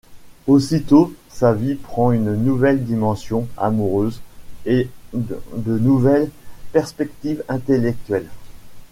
Aussitôt, sa vie prend une nouvelle dimension amoureuse et de nouvelles perspectives intellectuelles.